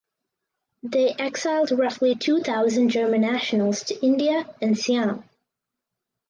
They exiled roughly two thousand German nationals to India and Siam.